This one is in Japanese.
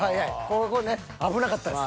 ［ここね危なかったです］